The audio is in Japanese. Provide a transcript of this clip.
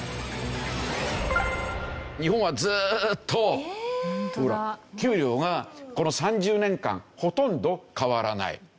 日本はずーっと給料がこの３０年間ほとんど変わらない。